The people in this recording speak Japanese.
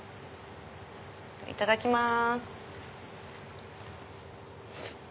いただきます。